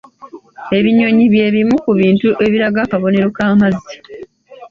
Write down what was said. Ebinyonyi bye bimu ku bintu ebiraga akabonero ka mazzi.